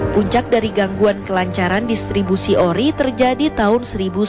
puncak dari gangguan kelancaran distribusi ori terjadi tahun seribu sembilan ratus sembilan puluh